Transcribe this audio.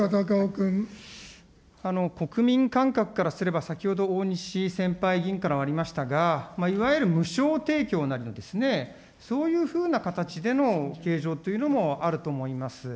国民感覚からすれば、先ほど大西先輩議員からもありましたが、いわゆる無償提供になるんですね、そういうふうな形での計上というのもあると思います。